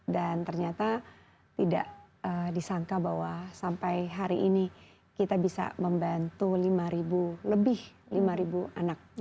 dan ternyata tidak disangka bahwa sampai hari ini kita bisa membantu lima lebih lima anak